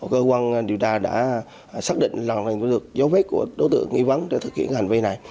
cơ quan điều đa đã xác định là dấu vết của đối tượng nghi vắng để thực hiện hành vi này